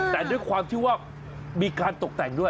แต่ด้วยความที่ว่ามีการตกแต่งด้วย